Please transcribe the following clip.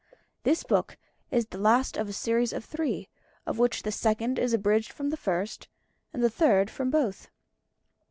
This book is the last of a series of three, of which the second is abridged from the first, and the third from both.